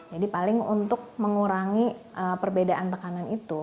jadi paling untuk mengurangi perbedaan tekanan itu